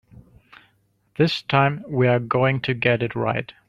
This time we're going to get it right.